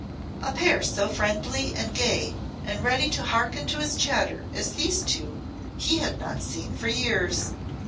A pair so friendly and gay and ready to hearken to his chatter as these two he had not seen for years.